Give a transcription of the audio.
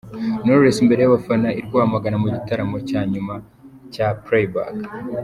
Knowless imbere y’abafana i Rwamagana mu gitaramo cya nyuma cya Playback.